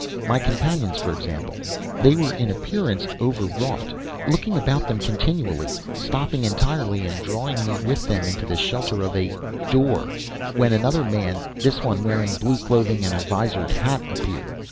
My companions, for example: They were in appearance overwrought, looking about them continually, stopping entirely and drawing me with them into the shelter of a "door" when another man, this one wearing blue clothing and a visored hat appeared.